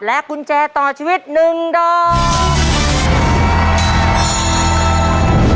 กุญแจต่อชีวิต๑ดอก